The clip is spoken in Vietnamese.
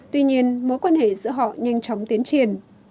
tuy nhiên mối quan hệ giữa họ nhanh chóng tiến triển